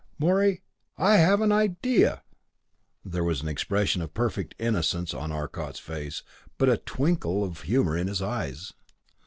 "Morey I've an idea!" There was an expression of perfect innocence on Arcot's face but a twinkle of humor in his eyes.